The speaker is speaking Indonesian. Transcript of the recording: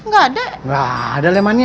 gak ada lemannya